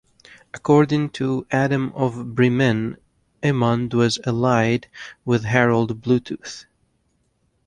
According to Adam of Bremen, Emund was allied with Harold Bluetooth.